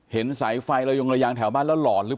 เห็นสายไฟระยุงระยางแถวบ้านแล้วหลอนหรือ